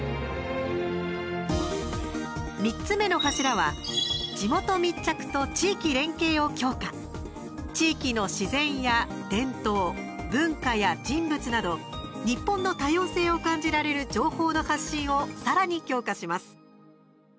３つ目の柱は地域の自然や伝統文化や人物など日本の多様性を感じられる情報の発信をさらに強化します。